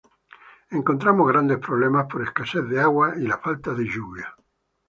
Encontramos grandes problemas por escasez de agua y la falta de lluvia.